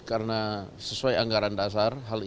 karena sesuai anggaran dasar hal ini akan